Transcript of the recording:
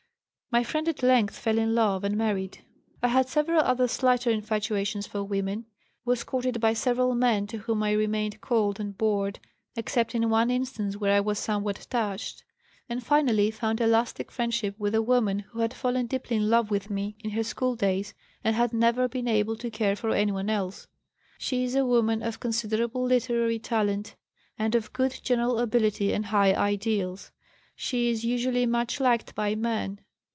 My friend at length fell in love and married. I had several other slighter infatuations for women, was courted by several men to whom I remained cold and bored except in one instance, where I was somewhat touched, and finally found a lasting friendship with a woman who had fallen deeply in love with me in her school days and had never been able to care for any one else. She is a woman of considerable literary talent and of good general ability and high ideals. She is usually much liked by men.